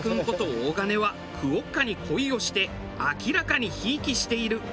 大金はクオッカに恋をして明らかに贔屓している。